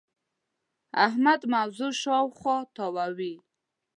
احمد موضوع شااوخوا تاووې.